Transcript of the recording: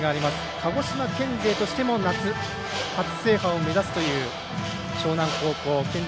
鹿児島県勢としても夏、初制覇を目指すという樟南高校。